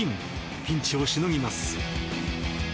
ピンチをしのぎます。